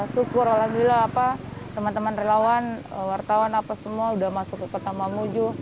syukur alhamdulillah teman teman relawan wartawan apa semua sudah masuk ke kota mamuju